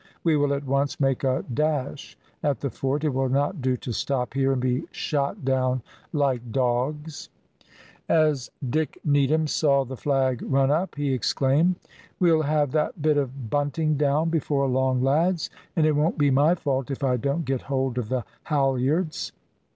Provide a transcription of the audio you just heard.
We will at once make a dash at the fort; it will not do to stop here and be shot down like dogs." As Dick Needham saw the flag run up he exclaimed "We'll have that bit of bunting down before long, lads, and it won't be my fault if I don't get hold of the halliards."